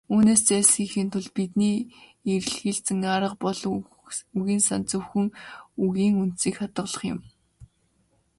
Үүнээс зайлсхийхийн тулд бидний эрэлхийлсэн арга бол үгийн санд зөвхөн "үгийн үндсийг хадгалах" юм.